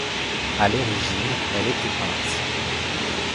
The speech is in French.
À l'origine elle était peinte.